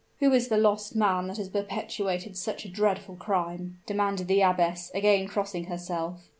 "Who is the lost man that has perpetrated such a dreadful crime?" demanded the abbess, again crossing herself.